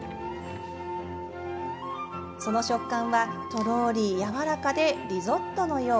その食感はとろりやわらかでリゾットのよう。